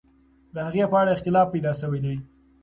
د هغې په اړه اختلاف پیدا سوی دی.